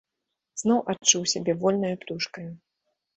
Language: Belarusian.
Зноў адчуў сябе вольнаю птушкаю.